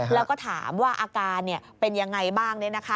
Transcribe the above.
แล้วก็ถามว่าอาการเป็นยังไงบ้าง